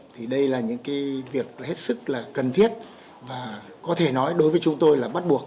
thì đây là những cái việc hết sức là cần thiết và có thể nói đối với chúng tôi là bắt buộc